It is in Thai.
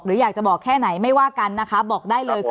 อยากจะบอกแค่ไหนไม่ว่ากันนะคะบอกได้เลย